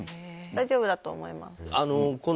大丈夫だと思います。